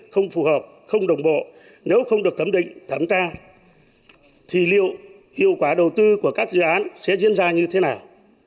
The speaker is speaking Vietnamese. không phù hợp không đồng bộ nếu không được thẩm định thẩm tra thì liệu hiệu quả đầu tư của các dự án sẽ diễn ra như thế nào